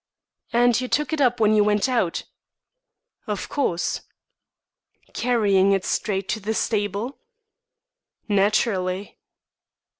"And took it up when you went out?" "Of course." "Carrying it straight to the stable?" "Naturally."